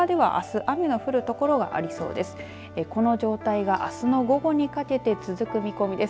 この状態があすの午後にかけて続く見込みです。